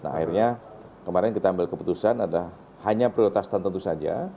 nah akhirnya kemarin kita ambil keputusan adalah hanya prioritas tertentu saja